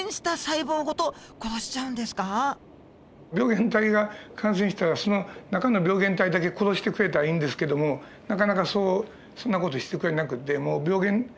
病原体に感染したら中の病原体だけ殺してくれたらいいんですけどもなかなかそんな事してくれなくてもう感染した細胞ごと殺す。